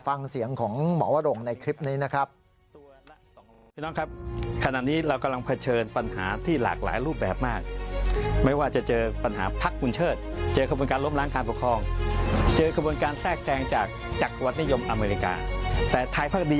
ฟังเสียงของหมอวรงในคลิปนี้นะครับ